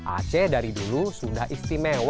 aceh dari dulu sudah istimewa